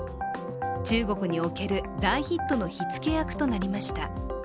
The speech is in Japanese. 中国における大ヒットの火付け役となりました。